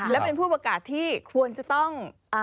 และเป็นผู้ประกาศที่ควรจะต้อง